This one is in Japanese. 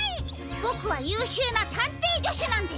ボクはゆうしゅうなたんていじょしゅなんです。